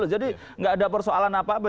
jadi tidak ada persoalan apa apa